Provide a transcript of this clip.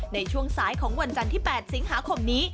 ในช่วงสายของวันจันทร์ที่๘สิงหาคมนี้